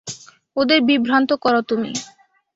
ওদের বিভ্রান্ত করো তুমি।